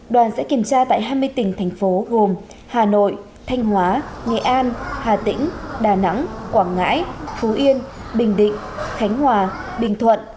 đoàn sẽ kiểm tra tại hai mươi tỉnh thành phố gồm hà nội thanh hóa nghệ an hà tĩnh đà nẵng quảng ngãi phú yên bình định khánh hòa bình thuận